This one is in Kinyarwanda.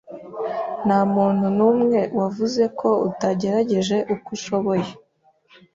Ntamuntu numwe wavuze ko utagerageje uko ushoboye.